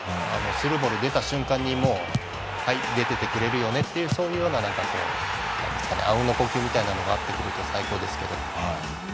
スルーボール出た時に入れててくれるよねというそういうようなねあうんの呼吸みたいなものがあると最高ですけど。